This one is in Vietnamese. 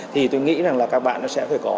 thì tôi nghĩ rằng là các bạn nó sẽ phải có